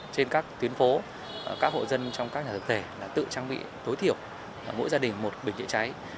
trên các tuyến phố các hộ dân trong các nhà thực tế tự trang bị tối thiểu mỗi gia đình một bịch chữa cháy